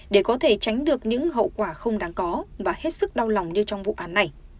để có thể tránh được những hậu quả không đáng có và hết sức đau lòng như trong vụ án này